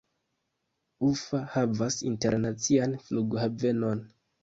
Ufa havas internacian flughavenon.